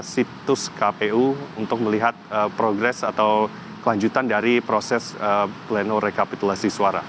situs kpu untuk melihat progres atau kelanjutan dari proses pleno rekapitulasi suara